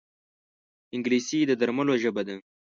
انګلیسي د درملو ژبه ده